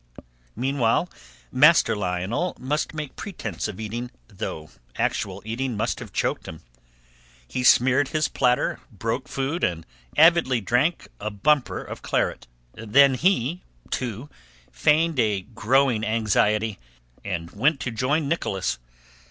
Meanwhile Master Lionel must make pretence of eating though actual eating must have choked him. He smeared his platter, broke food, and avidly drank a bumper of claret. Then he, too, feigned a growing anxiety and went to join Nicholas.